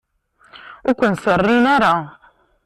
Ur ken-serrin ara.